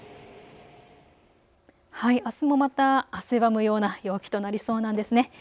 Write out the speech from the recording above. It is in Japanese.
あすもまた汗ばむような陽気となりそうなんです。